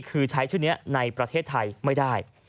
คือใช้ชื่อนี้ในประเทศไทยไม่ได้